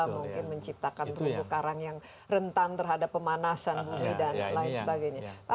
mungkin menciptakan terumbu karang yang rentan terhadap pemanasan bumi dan lain sebagainya